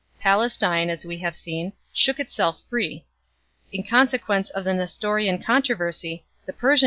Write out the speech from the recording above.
Palestine, as we have seen, shook itself free. In consequence of the Nestorian controversy the CHAP.